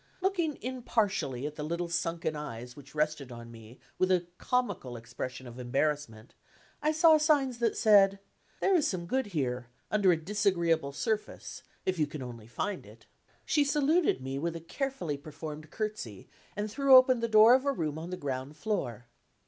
Looking impartially at the little sunken eyes which rested on me with a comical expression of embarrassment, I saw signs that said: There is some good here, under a disagreeable surface, if you can only find it. She saluted me with a carefully performed curtsey, and threw open the door of a room on the ground floor.